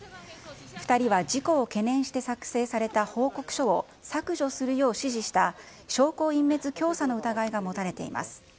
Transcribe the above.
２人は事故を懸念して作成された報告書を削除するよう指示した証拠隠滅教唆の疑いが持たれています。